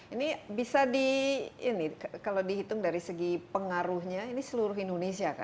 ini bisa di ini kalau dihitung dari segi pengaruhnya ini seluruh indonesia